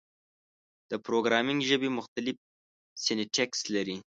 د پروګرامینګ ژبې مختلف سینټکس لري.